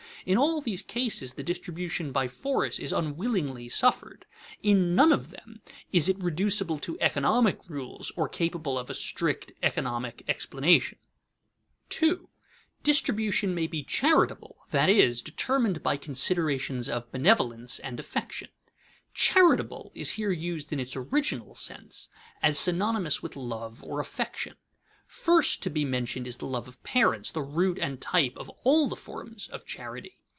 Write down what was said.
In all these cases the distribution by force is unwillingly suffered. In none of them is it reducible to economic rules or capable of a strict economic explanation. [Sidenote: Charitable distribution within the family] 2. Distribution may be charitable, that is, determined by considerations of benevolence and affection. Charitable is here used in its original sense, as synonymous with love or affection. First to be mentioned is the love of parents, the root and type of all the forms of charity.